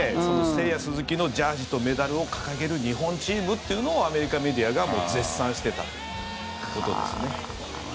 セイヤ・スズキのジャージーとメダルを掲げる日本チームというのをアメリカメディアが絶賛してたということですね。